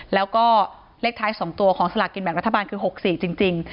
แล้วก็เลขท้าย๒ตัวของสลากกินแบ่งรัฐบาลคือ๖๔จริง